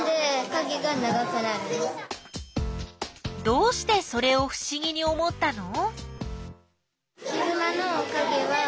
どうしてそれをふしぎに思ったの？